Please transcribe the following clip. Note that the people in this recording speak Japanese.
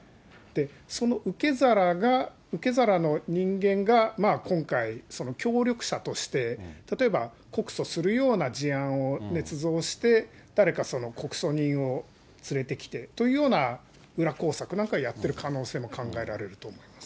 その受け皿が、受け皿の人間が今回、協力者として、例えば告訴するような事案をねつ造して、誰がその告訴人を連れてきてというような裏工作なんかやってる可能性も考えられると思います。